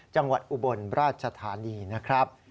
จังหวัดอุบลราชธานีนะครับ